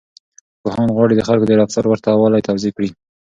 پوهان غواړي د خلکو د رفتار ورته والی توضيح کړي.